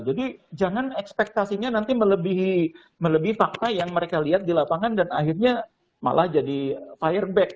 jadi jangan ekspektasinya nanti melebihi fakta yang mereka lihat di lapangan dan akhirnya malah jadi fireback